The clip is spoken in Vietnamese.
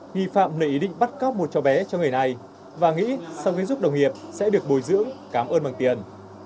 nghi phạm lại ý định bắt cóc một chó bé cho người này và nghĩ sau khi giúp đồng nghiệp sẽ được bồi giữ cảm ơn bằng tiền